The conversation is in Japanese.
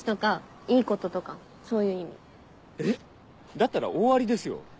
だったら大ありですよ。